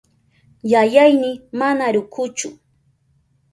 Yayayni mana rukuchu.